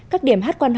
các điểm hát quan họa